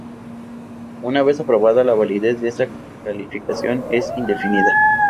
Una vez aprobada, la validez de esta calificación es indefinida.